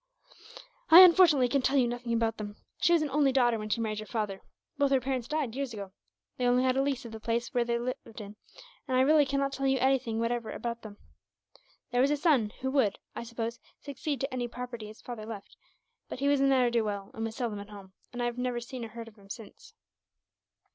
"I, unfortunately, can tell you nothing about them. She was an only daughter when she married your father. Both her parents died, years ago. They only had a lease of the place they lived in, and I really cannot tell you anything whatever about them. There was a son, who would, I suppose, succeed to any property his father left; but he was a ne'er do well, and was seldom at home, and I have never seen or heard of him, since."